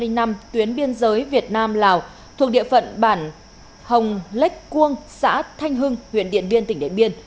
trên tuyến biên giới việt nam lào thuộc địa phận bản hồng lách cuông xã thanh hưng huyện điện biên tỉnh điện biên